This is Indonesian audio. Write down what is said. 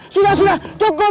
sudah sudah sudah